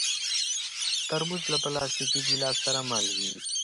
ترموز له پلاستيکي ګیلاس سره مل وي.